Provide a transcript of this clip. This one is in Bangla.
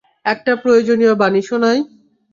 একটা প্রয়োজনীয় বাণী শোনাই।